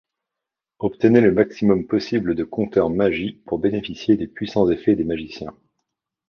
Obtenez le maximum possible de compteurs magie pour bénéficier des puissants effets des magiciens.